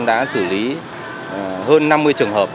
đã xử lý hơn năm mươi trường hợp